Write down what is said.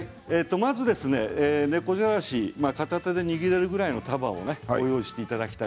まず猫じゃらし片手で握れるぐらいの束をご用意ください。